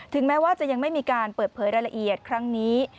แม้ว่าจะยังไม่มีการเปิดเผยรายละเอียดครั้งนี้